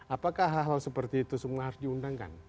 apakah hal hal seperti itu semua harus diundangkan